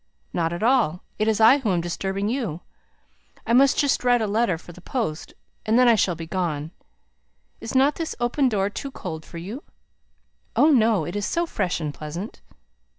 "Not at all. It is I who am disturbing you. I must just write a letter for the post, and then I shall be gone. Is not this open door too cold for you?" "Oh, no. It is so fresh and pleasant."